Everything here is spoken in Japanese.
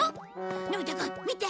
のび太くん見て！